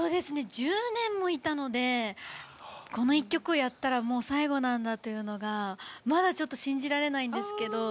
１０年もいたのでこの１曲をやったらもう最後なんだというのがまだちょっと信じられないんですけど。